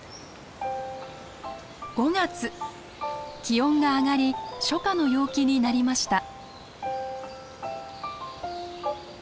気温が上がり初夏の陽気になりました。